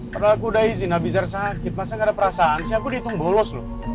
padahal aku udah izin abizar sakit masa gak ada perasaan sih aku dihitung bolos loh